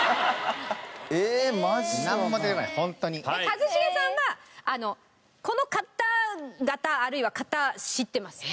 一茂さんはこの方々あるいは方知っています。